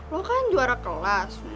lo kan juara kelas